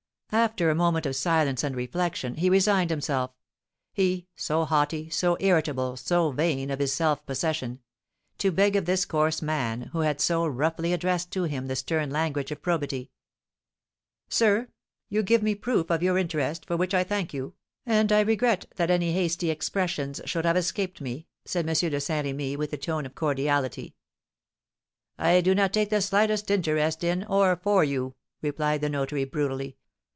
After a moment of silence and reflection, he resigned himself, he, so haughty, so irritable, so vain of his self possession! to beg of this coarse man, who had so roughly addressed to him the stern language of probity: "Sir, you give me a proof of your interest, for which I thank you, and I regret that any hasty expressions should have escaped me," said M. de Saint Remy, with a tone of cordiality. "I do not take the slightest interest in or for you," replied the notary, brutally.